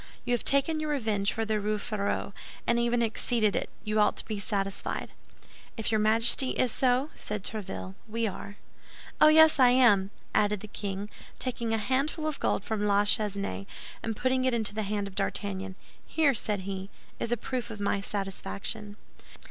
You have taken your revenge for the Rue Férou, and even exceeded it; you ought to be satisfied." "If your Majesty is so," said Tréville, "we are." "Oh, yes; I am," added the king, taking a handful of gold from La Chesnaye, and putting it into the hand of D'Artagnan. "Here," said he, "is a proof of my satisfaction."